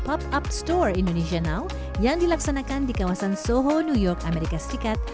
pop up store indonesia now yang dilaksanakan di kawasan soho new york amerika serikat